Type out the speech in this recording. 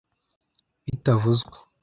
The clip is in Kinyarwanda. bitavuzwe